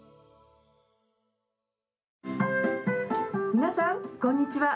皆さん、こんにちは。